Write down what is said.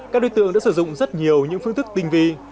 các đối tượng đã sử dụng rất nhiều những phương thức tinh vi